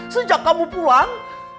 sejak kamu pulang